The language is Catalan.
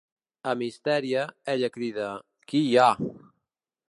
"Amb histèria" ella crida "Qui hi ha?